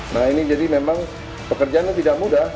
nah ini jadi memang pekerjaannya tidak mudah